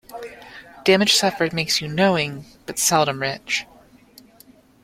Damage suffered makes you knowing, but seldom rich.